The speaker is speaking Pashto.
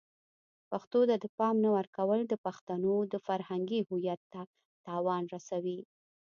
پښتو ته د پام نه ورکول د پښتنو د فرهنګی هویت ته تاوان رسوي.